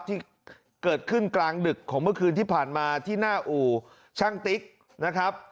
ที่เกิดขึ้นกลางดึกของเมื่อคืนที่ผ่านมาที่หน้าอู่ช่างติ๊กนะครับ